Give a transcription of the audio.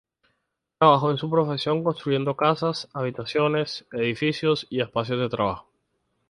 Trabajó en su profesión, construyendo casas habitación, edificios, y espacios de trabajo.